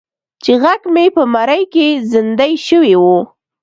چې غږ مې په مرۍ کې زیندۍ شوی و.